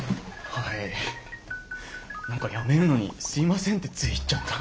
はい何か辞めるのにすいませんってつい言っちゃった。